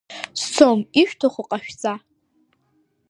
Сцом, ишәҭаху ҟашәҵа!